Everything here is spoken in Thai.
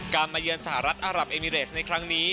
มาเยือนสหรัฐอารับเอมิเรสในครั้งนี้